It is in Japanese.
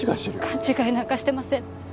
勘違いなんかしてません。